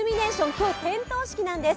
今日、点灯式なんです。